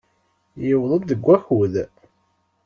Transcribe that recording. Yewweḍ-d deg wakud.